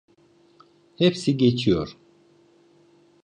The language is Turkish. Hepsi geçiyor…